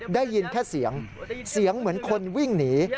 ได้ยินแค่เสียงเสียงเหมือนคนวิ่งหนี